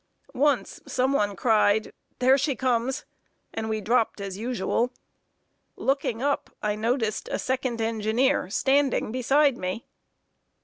Once, some one cried, "There she comes!" and we dropped as usual. Looking up, I noticed a second engineer standing beside me.